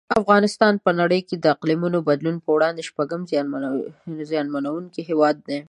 افغانستان په نړۍ کې د اقلیمي بدلون په وړاندې شپږم زیانمنونکی هیواد دی.